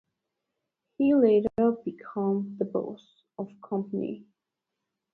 He later became the boss of the company.